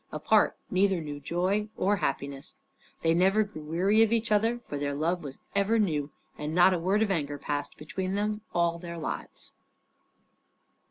Apart, neither knew joy or happiness. They never grew weary of each other, for their love was ever new; and not a word of anger passed between them all their lives.